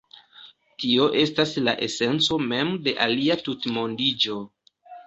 Tio estas la esenco mem de alia tutmondiĝo.